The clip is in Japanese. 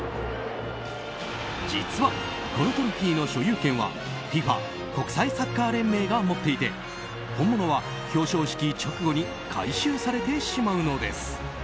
実は、このトロフィーの所有権はＦＩＦＡ・国際サッカー連盟が持っていて本物は表彰式直後に回収されてしまうのです。